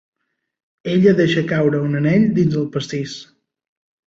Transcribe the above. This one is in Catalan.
Ella deixa caure un anell dins el pastís.